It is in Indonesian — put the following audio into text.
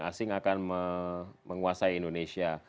asing akan menguasai indonesia